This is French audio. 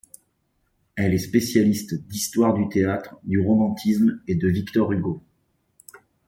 Elle est spécialiste d'histoire du théâtre, du romantisme et de Victor Hugo.